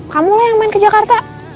kamulah yang main ke jakarta